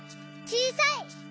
「ちいさい」！